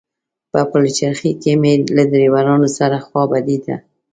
په پلچرخي کې مې له ډریورانو سره خوا بدېده.